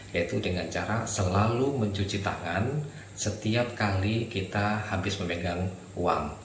yaitu dengan cara selalu mencuci tangan setiap kali kita habis memegang uang